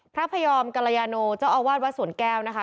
พระพยอมกรยาโนเจ้าอาวาสวัดสวนแก้วนะคะ